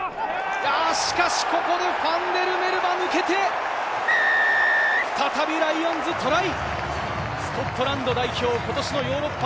しかし、ここでファンデルメルヴァ、抜けて再びライオンズ、トライ！